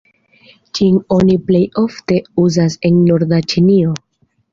Ĝin oni plej ofte uzas en norda Ĉinio.